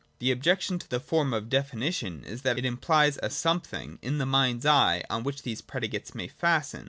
The objection to the form of definition is that it implies a something in the mind's eye on which these predicates may fasten.